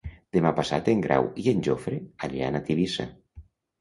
Demà passat en Grau i en Jofre aniran a Tivissa.